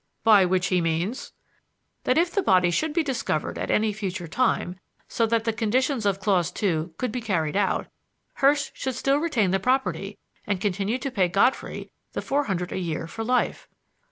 "By which he means?" "That if the body should be discovered at any future time, so that the conditions of clause two could be carried out, Hurst should still retain the property and continue to pay Godfrey the four hundred a year for life."